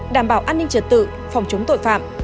đảm bảo an ninh trật tự phòng chống tội phạm